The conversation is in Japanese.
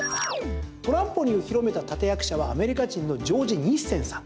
トランポリンを広めた立役者はアメリカ人のジョージ・ニッセンさん。